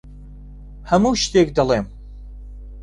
هەموو شتێک دەڵێم.